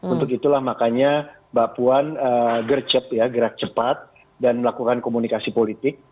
untuk itulah makanya mbak puan gercep ya gerak cepat dan melakukan komunikasi politik